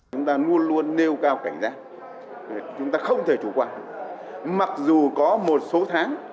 chúng ta luôn luôn nêu cao cảnh giác chúng ta không thể chủ quản mặc dù có một số tháng